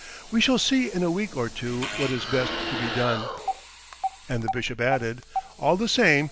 We shall see in a week or two what is best to be done." And the Bishop added, "All the same.